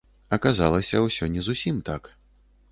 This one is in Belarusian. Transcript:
Аказалася, усё не зусім так.